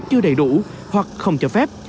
chưa đầy đủ hoặc không cho phép